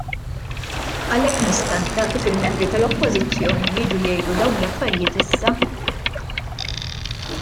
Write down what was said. Għalhekk niskanta kif il-Membri tal-Oppożizzjoni jiġu jgħidu dawn l-affarijiet issa!